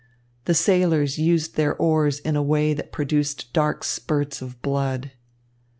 The sailors used their oars in a way that produced dark spurts of blood.